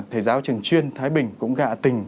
thầy giáo trường chuyên thái bình cũng gạ tình